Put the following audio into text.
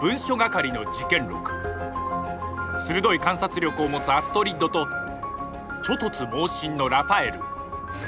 鋭い観察力を持つアストリッドとちょ突猛進のラファエル。